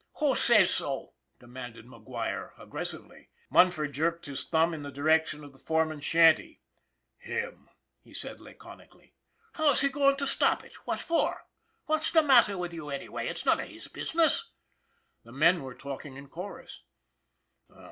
" Who says so ?" demanded McGuire, aggressively. Munford jerked his thumb in the direction of the foreman's shanty. " Him," he said laconically. "How's he goin' to stop it? What for? What's the matter with him, anyway? It's none of his busi ness !" the men were talking in chorus.